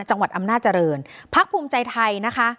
จังหวัดอำนาจริงพักภูมิใจไทยนะคะ